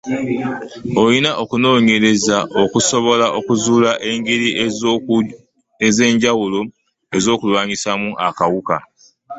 Okunoonyereza okusobola okuzuula engeri ez’enjawulo ez’okulwanyisaamu akawuka.